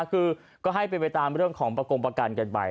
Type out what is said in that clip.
คือก็ให้เป็นไปตามเรื่องของประกงประกันกันไป